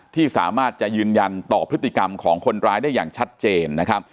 ที่สามารถจะยืนยันต่อพฤติกรรมของคนร้ายได้อย่างชัดเจนนะครับ